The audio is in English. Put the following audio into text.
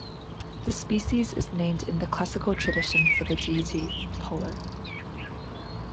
The species is named in the classical tradition for the deity Apollo.